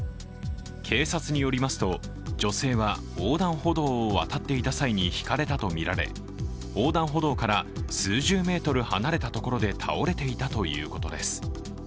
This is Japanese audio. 警察によりますと女性は横断歩道を渡っていた際に引かれたとみられ、横断歩道から数十メートル離れたところで倒れていたということです。